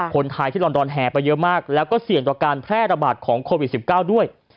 คนทายที่รอนดอนแห่มไปเยอะมากและเสี่ยงต่อการแทร่ระบาดโควิด๑๙